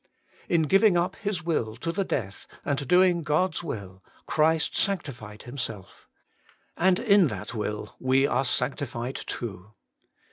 In giving up His will to the death, and doing God's will, Christ sanctified Himself; and in that will we are sanctified too.